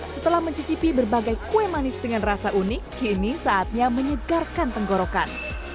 setelah mencicipi berbagai kue manis dengan rasa unik kini saatnya menyegarkan tenggorokan